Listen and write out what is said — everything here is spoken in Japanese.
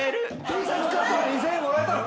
Ｔシャツ買ったら２，０００円もらえたの！？